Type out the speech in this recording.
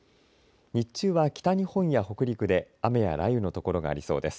日中は北日本や北陸で雨や雷雨のところがありそうです。